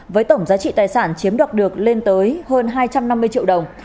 với tổng giá trị tài sản chiếm đoạt được lên tới hơn hai trăm năm mươi triệu đồng